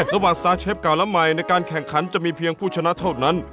ระหว่างสตาร์เชฟเก่าและใหม่ในการแข่งขันจะมีเพียงผู้ชนะเท่านั้น